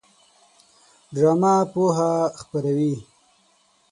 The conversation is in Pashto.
ډرامه پوهه خپروي